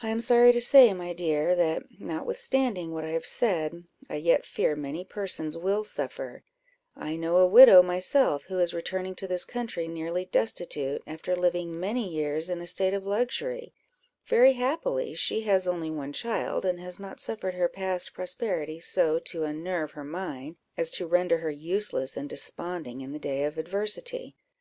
"I am sorry to say, my dear, that notwithstanding what I have said, I yet fear many persons will suffer; I know a widow myself, who is returning to this country nearly destitute, after living many years in a state of luxury; very happily she has only one child, and has not suffered her past prosperity so to unnerve her mind, as to render her useless and desponding in the day of adversity.